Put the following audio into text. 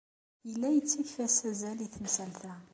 Yella yettakf-as azal i temsalt-a.